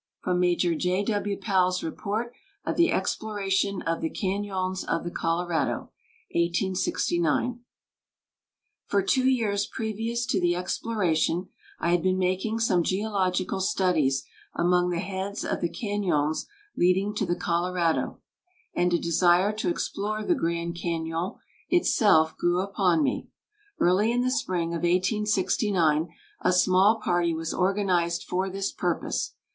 [From Major J. W. Powell's Report of the Exploration of the Cañons of the Colorado 1869.] "For two years previous to the exploration, I had been making some geological studies among the heads of the cañons leading to the Colorado, and a desire to explore the Grand Cañon itself grew upon me. Early in the spring of 1869 a small party was organized for this purpose.